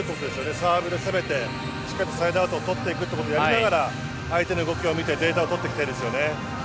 サーブで攻めてしっかりサイドアウトを取っていくということをやりながら相手の動きを見てデータを取っていきたいですよね。